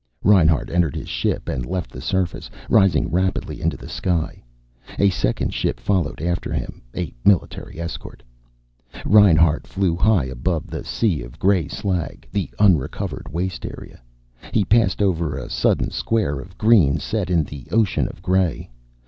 Reinhart entered his ship and left the surface, rising rapidly into the sky. A second ship followed after him, a military escort. Reinhart flew high above the sea of gray slag, the unrecovered waste area. He passed over a sudden square of green set in the ocean of gray.